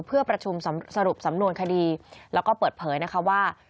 เพื่อประชุมสรุปสำนวนคดีแล้วก็เปิดเผยนะคะว่า